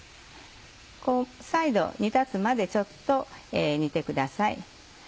再度煮立つまでちょっと煮てください。